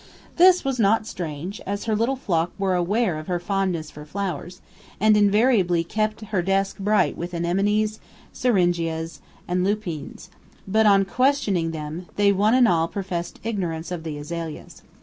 This was not strange, as her little flock were aware of her fondness for flowers, and invariably kept her desk bright with anemones, syringas, and lupines; but, on questioning them, they one and all professed ignorance of the azaleas.